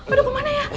aduh kemana ya